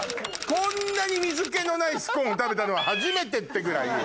こんなに水気のないスコーンを食べたのは初めてってぐらい。